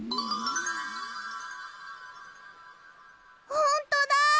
ほんとだ！